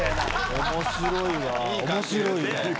面白いわ面白いわ。